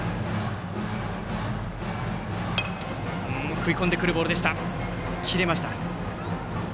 食い込んでくるボールでしたが切れました。